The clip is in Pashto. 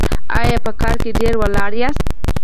ایا په کار کې ډیر ولاړ یاست؟